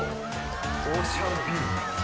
オーシャンビュー。